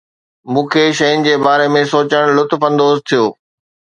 مون کي شين جي باري ۾ سوچڻ لطف اندوز ٿيو